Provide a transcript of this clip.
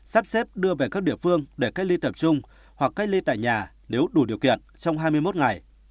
sắp xếp đưa về các địa phương để cách ly tập trung hoặc cách ly tại nhà nếu đủ điều kiện trong hai mươi một ngày